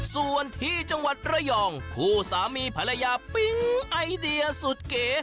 ส่วนที่จังหวัดระยองคู่สามีภรรยาปิ๊งไอเดียสุดเก๋